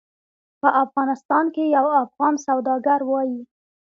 په افغانستان کې یو افغان سوداګر وایي.